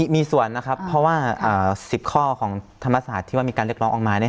มีส่วนนะครับเพราะว่า๑๐ข้อของธรรมศาสตร์ที่ว่ามีการเรียกร้องออกมา